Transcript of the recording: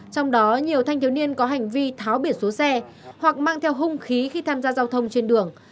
trong đó nhiều thanh thiếu niên có hành vi tháo biển số xe hoặc mang theo hung khí khi tham gia giao thông trên đường